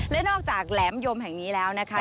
และนอกจากแหลมยมแห่งนี้แล้วนะคะ